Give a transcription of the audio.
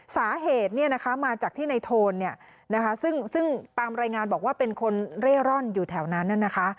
สาเหตุมาจากที่ในโทนซึ่งตามรายงานบอกว่าเป็นคนเร่ร่อนอยู่แถวนั้นนะคะ